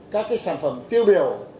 các sản phẩm tiêu biểu